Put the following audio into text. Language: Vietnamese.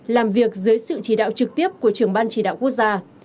làm việc dưới sự chỉ đạo trực tiếp của trưởng ban chỉ đạo quốc gia